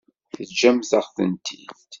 Teǧǧam-aɣ-tent-id.